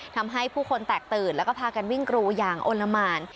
ทำให้ผู้คนแตกตื่นแล้วก็พากันวิ่งกรูอย่างอลละหมาน